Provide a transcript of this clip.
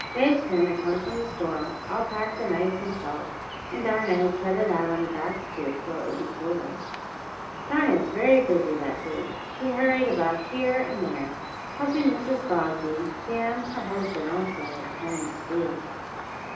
The ice cream had come from the store, all packed in ice and salt, and Dinah had set it out on the back stoop, where it would be cooler. Dinah was very busy that day. She hurried about here and there, helping Mrs. Bobbsey. Sam, her husband, also had plenty to do.